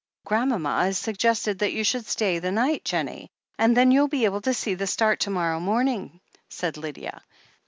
"Grandmama has suggested that you should stay the night, Jennie, and then you'll be able to see the start to morrow morning," said Lydia.